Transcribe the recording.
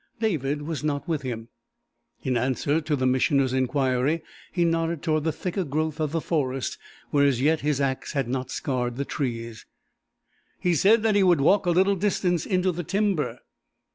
David was not with him. In answer to the Missioner's inquiry he nodded toward the thicker growth of the forest where as yet his axe had not scarred the trees. "He said that he would walk a little distance into the timber."